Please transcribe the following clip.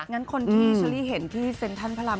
งั้นคนที่เชอรี่เห็นที่เซ็นทรัลพระราม